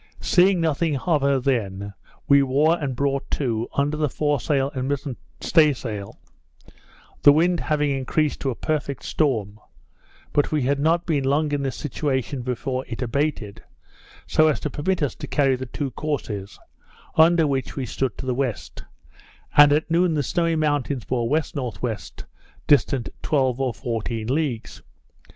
Seeing nothing of her then, we wore and brought to, under the fore sail and mizen stay sail, the wind having increased to a perfect storm; but we had not been long in this situation before it abated, so as to permit us to carry the two courses, under which we stood to the west; and at noon the Snowy Mountains bore W.N.W., distant twelve or fourteen leagues.